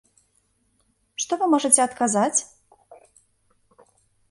Што вы можаце адказаць?